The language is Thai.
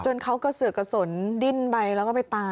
จนเขากระสุนดิ้นไปแล้วก็ไปตาย